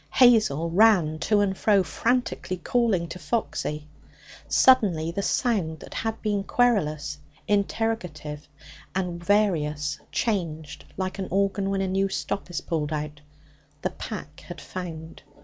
Hazel ran to and fro, frantically calling to Foxy. Suddenly the sound, that had been querulous, interrogative and various, changed like an organ when a new stop is pulled out. The pack had found.